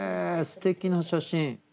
すてきな写真。